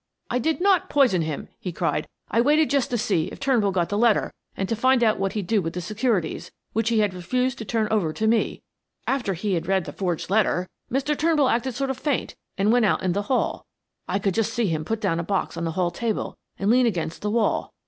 "I did not poison him," he cried. "I waited just to see if Turnbull got the letter and to find out what he'd do with the securities, which he had refused to turn over to me. After he had read the forged letter Mr. Turnbull acted sort of faint and went out in the hall. I could just see him put down a box on the hall table and lean against the wall.